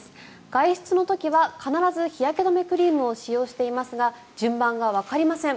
外出の時は必ず日焼け止めクリームを使用していますが順番がわかりません。